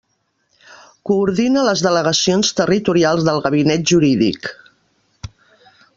Coordina les delegacions territorials del Gabinet Jurídic.